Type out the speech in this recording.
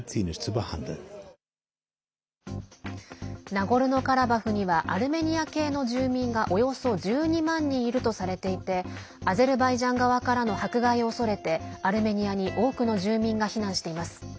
ナゴルノカラバフにはアルメニア系の住民がおよそ１２万人いるとされていてアゼルバイジャン側からの迫害を恐れてアルメニアに多くの住民が避難しています。